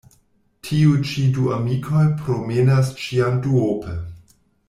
Tiuj ĉi du amikoj promenas ĉiam duope.